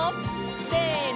せの！